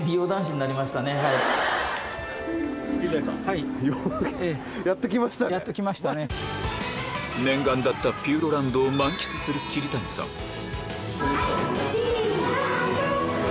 そんな念願だったピューロランドを満喫する桐谷さん